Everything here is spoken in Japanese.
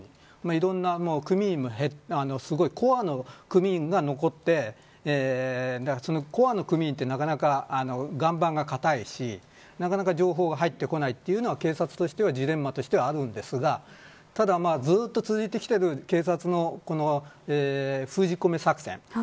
いろんな組員もすごいコアな組員が残ってコアな組員はなかなか岩盤が硬いしなかなか情報が入ってこないというのは警察としてはジレンマとしてはあるんですがただずっと続いてきている警察の封じ込め作戦。